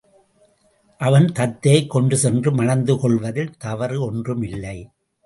அவன் தத்தையைக் கொண்டு சென்று மணந்து கொள்வதில் தவறு ஒன்றுமில்லை.